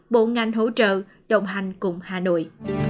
bộ ngành hỗ trợ đồng hành cùng hà nội